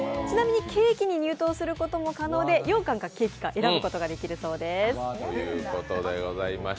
ちなみにケーキに入刀することも可能でようかんか、ケーキか選ぶことができるそうです。